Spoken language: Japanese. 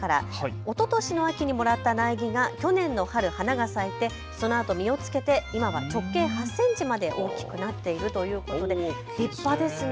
おととしの秋にもらった苗木が去年の春、花が咲いてそのあと実をつけて今は直径８センチまで大きくなっているということで立派ですね。